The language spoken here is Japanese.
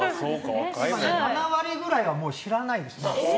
７割ぐらいはもう知らないです。